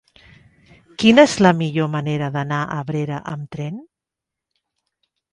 Quina és la millor manera d'anar a Abrera amb tren?